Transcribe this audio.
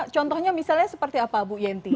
contohnya misalnya seperti apa bu yenti